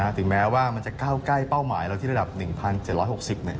ถึงแม้ว่ามันจะก้าวใกล้เป้าหมายเราที่ระดับ๑๗๖๐เนี่ย